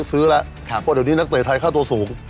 เพราะเดี๋ยวนี้นักเตยไทยค่าตัวสูง